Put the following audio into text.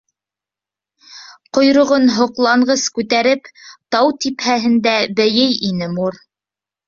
Ҡойроғон һоҡланғыс күтәреп, тау типһәнендә бейей ине Мор.